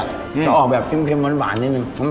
จะออกแบบเค็มหวานนิดนึง